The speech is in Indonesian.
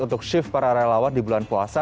untuk shift para relawan di bulan puasa